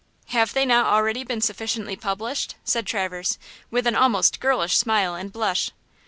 "Have they not already been sufficiently published?" said Traverse, with an almost girlish smile and blush.